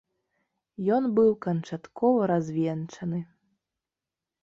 Ён быў канчаткова развенчаны.